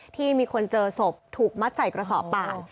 ที่มีคนเจอศพถูกมัดใส่กระสอบป่าน